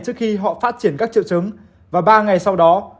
trước khi họ phát triển các triệu chứng và ba ngày sau đó